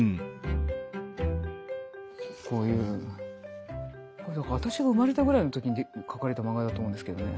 こういう私が生まれたぐらいの時に描かれた漫画だと思うんですけどね。